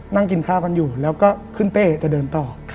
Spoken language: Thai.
นั่งกินข้าวกันอยู่แล้วก็ขึ้นเป้จะเดินต่อ